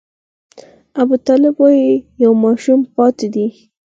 ابوطالب وايي یو ماشوم پاتې دی.